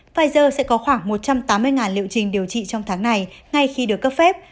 pfizer sẽ có khoảng một trăm tám mươi liệu trình điều trị trong tháng này ngay khi được cấp phép